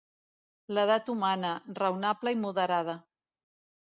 L'edat humana, raonable i moderada.